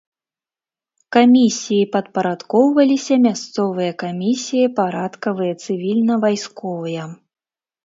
Камісіі падпарадкоўваліся мясцовыя камісіі парадкавыя цывільна-вайсковыя.